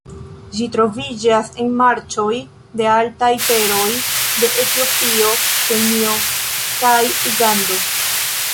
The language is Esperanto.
Ĝi troviĝas en marĉoj de altaj teroj de Etiopio, Kenjo kaj Ugando.